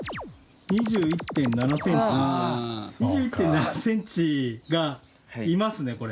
２１．７センチがいますねこれ。